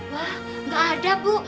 wah gak ada bu